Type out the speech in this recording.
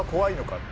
って。